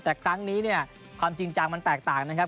แต่ครั้งนี้เนี่ยความจริงจังมันแตกต่างนะครับ